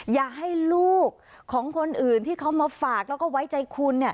อย่าให้ลูกของคนอื่นที่เขามาฝากแล้วก็ไว้ใจคุณ